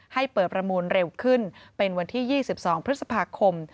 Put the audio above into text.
ให้เปิดประมูลเร็วขึ้นเป็นวันที่๒๒พฤษภาคม